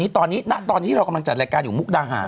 ตอนนี้ณตอนที่เรากำลังจัดรายการอยู่มุกดาหาร